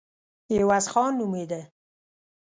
عوض خان نومېده.